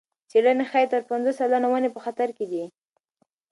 څېړنې ښيي تر پنځوس سلنه ونې په خطر کې دي.